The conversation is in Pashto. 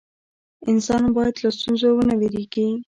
انسان باید له ستونزو ونه ویریږي.